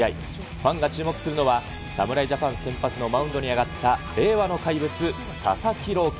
ファンが注目するのは、侍ジャパン先発のマウンドに上がった令和の怪物、佐々木朗希。